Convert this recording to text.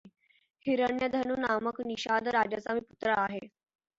हिरण्यधनु नामक निषाद राजाचा मी पुत्र आहे.